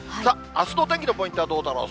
あすの天気のポイントはどうだろう？